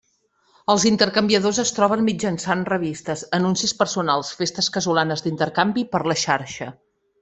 Els intercanviadors es troben mitjançant revistes, anuncis personals, festes casolanes d'intercanvi i per la xarxa.